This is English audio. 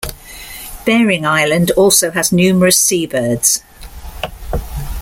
Bering island also has numerous seabirds.